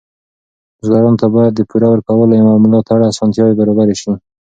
بزګرانو ته باید د پور ورکولو او ملاتړ اسانتیاوې برابرې شي.